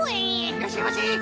いらっしゃいませ。